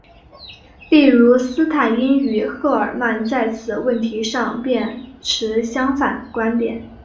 例如斯坦因与赫尔曼在此问题上便持相反观点。